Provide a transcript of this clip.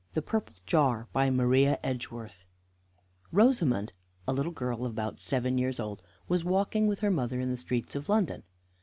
THE PURPLE JAR By MARIA EDGEWORTH Rosamond, a little girl about seven years old, was walking with her mother in the streets of London.